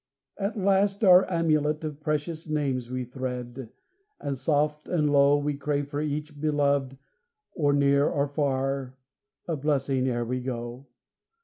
And last our amulet Of precious names we thread, and soft and low We crave for each beloved, or near or far, A blessing ere we go.